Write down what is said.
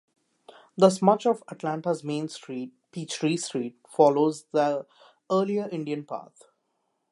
Thus, much of Atlanta's main street, Peachtree Street follows the earlier Indian path.